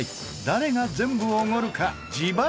誰が全部おごるか自腹